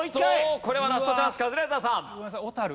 これはラストチャンスカズレーザーさん。